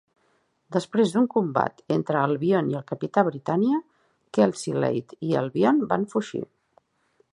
Després d'un combat entre Albion i el capità Britània, Kelsey Leigh i Albion van fugir.